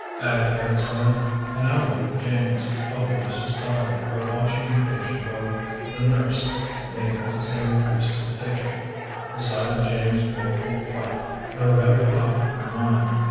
Agatha had spent an hour with James, helping Mrs. Stoddard, or watching the patient while the nurse made many necessary trips to the kitchen. The sight of James's woeful plight drove every thought from her mind.